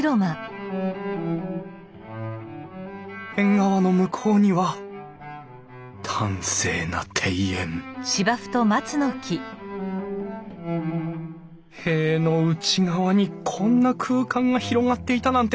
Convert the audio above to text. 縁側の向こうには端正な庭園塀の内側にこんな空間が広がっていたなんて